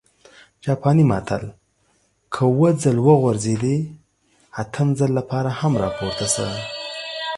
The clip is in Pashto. جاپانى متل: که اووه ځل وغورځېدې، اتم ځل لپاره هم راپورته شه!